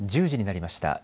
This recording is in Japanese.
１０時になりました。